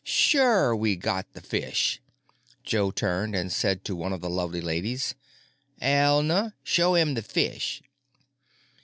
"Sure we got the fish." Joe turned and said to one of the lovely ladies, "Elna, show him the fish."